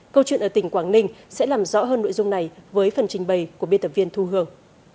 câu chuyện ở tỉnh quảng ninh sẽ làm rõ hơn nội dung này với phần trình bày của biên tập viên thu hương